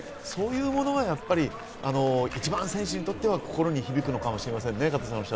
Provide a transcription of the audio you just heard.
そういうものがやっぱり一番選手にとっては心に響くのかもしれませんね。